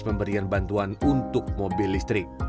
pemberian bantuan untuk mobil listrik